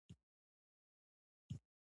لوحې د زده کوونکو د پوهې د معیار وسیله وې.